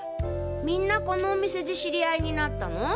みんなこのお店で知り合いになったの？